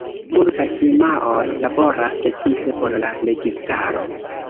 Multaj firmaoj laboras precipe por la registaro.